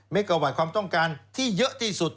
เมกะวัตต์ความต้องการที่เยอะที่สุด